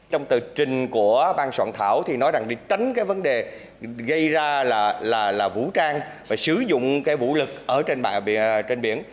trong tờ trình của ban soạn thảo thì nói rằng để tránh cái vấn đề gây ra là vũ trang và sử dụng cái vũ lực ở trên biển